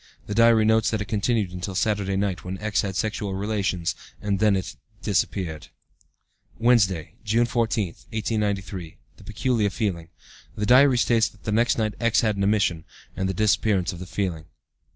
(The diary notes that it continued until Saturday night, when X. had sexual relations, and that it then disappeared.) "Wednesday, June 14, 1893. The peculiar feeling. (The diary states that the next night X. had an emission, and the disappearance of the feeling.)